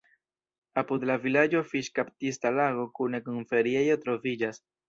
Apud la vilaĝo fiŝkaptista lago kune kun feriejo troviĝas.